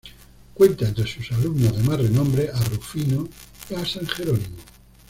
Cuenta entre sus alumnos de más renombre a Rufino y a san Jerónimo.